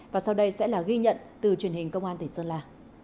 và sau đây sẽ là ghi nhận từ truyền hình công an tỉnh sơn la